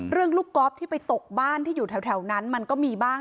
ลูกก๊อฟที่ไปตกบ้านที่อยู่แถวนั้นมันก็มีบ้าง